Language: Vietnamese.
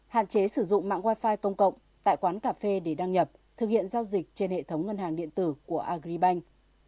hạn chế sử dụng mạng wi fi công cộng tại quán cà phê để đăng nhập thực hiện giao dịch trên hệ thống ngân hàng điện tử của agribank